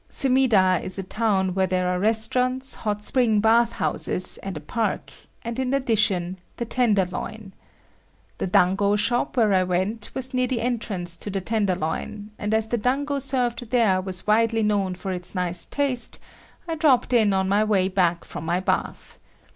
Sumida is a town where there are restaurants, hot springs bath houses and a park, and in addition, the "tenderloin." The dango shop where I went was near the entrance to the tenderloin, and as the dango served there was widely known for its nice taste, I dropped in on my way back from my bath.